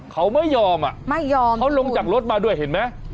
เขาไม่ยอมไม่ยอมที่หุ่นเขาลงจากรถมาด้วยเห็นไหม